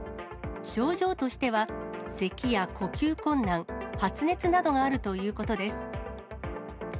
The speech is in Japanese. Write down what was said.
症状としてはせきや呼吸困難、発熱などがあるということです。